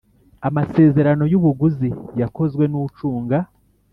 Amasezerano y ubuguzi yakozwe n ucunga